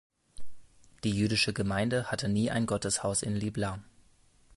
Die jüdische Gemeinde hatte nie ein Gotteshaus in Liblar.